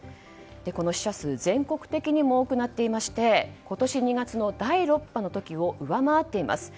この死者数全国的にも多くなっていまして今年２月の第６波の時を上回っています。